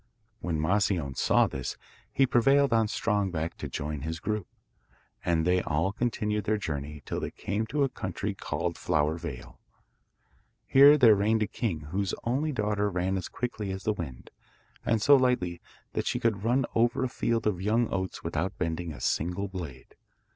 When Moscione saw this he prevailed on Strong Back to join his troop, and they all continued their journey till they came to a country called Flower Vale. Here there reigned a king whose only daughter ran as quickly as the wind, and so lightly that she could run over a field of young oats without bending a single blade.